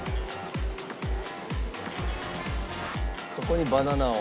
そこにバナナを。